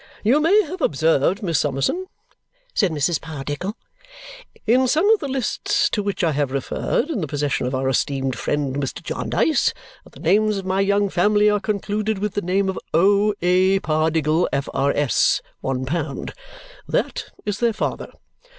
"You may have observed, Miss Summerson," said Mrs. Pardiggle, "in some of the lists to which I have referred, in the possession of our esteemed friend Mr. Jarndyce, that the names of my young family are concluded with the name of O. A. Pardiggle, F.R.S., one pound. That is their father.